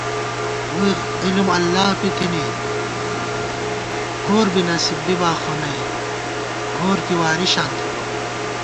ووئی علم اللہ پی تھنی گور بی نصیب بِبا خو نئ گور کی واریشان تھِبہ